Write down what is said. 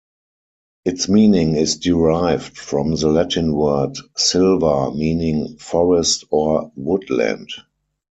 Its meaning is derived from the Latin word "silva" meaning 'forest' or 'woodland'.